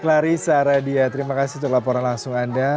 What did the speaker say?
clarissa aradia terima kasih untuk laporan langsung anda